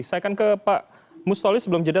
saya akan ke pak mustoli sebelum jeda